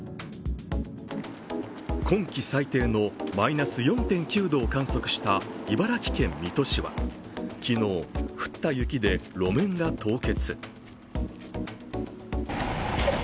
今季最低のマイナス４．９度を観測した茨城県水戸市は、昨日降った雪で路面が凍結。